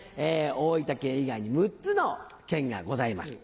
大分県以外に６つの県がございます。